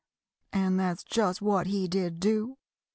"And that's just what he did do.